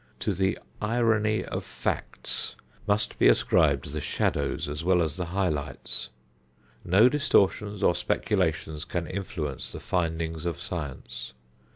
To the "irony of facts" must be ascribed the shadows as well as the high lights. No distortions or speculations can influence the findings of science.